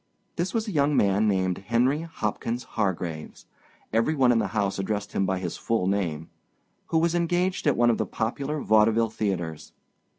This was a young man named Henry Hopkins Hargraves—every one in the house addressed him by his full name—who was engaged at one of the popular vaudeville theaters.